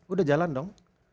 udah jalan dong